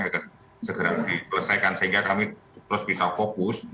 akan segera dipelesaikan sehingga kami terus bisa fokus